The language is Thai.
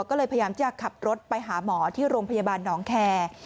ก็เลยพยายามจะขับรถไปหาหมอที่โรงพยาบาลหนองแคร์